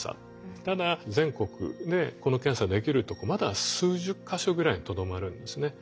ただ全国でこの検査できるとこまだ数十か所ぐらいにとどまるんですね。